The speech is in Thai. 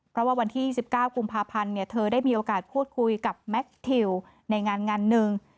เพราะว่าวันที่๑๙กุมภาพันธ์เธอได้มีโอกาสพูดคุยกับแมททิวในงานงานหนึ่ง